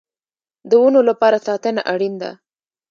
د ونو لپاره ساتنه اړین ده